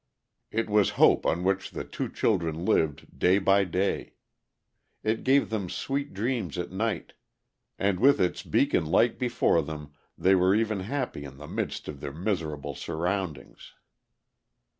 It was hope on which the two children lived day by day. It gave them sweet dreams at night, and with its beacon light before them they were even happy in the midst of their miserable surroundings.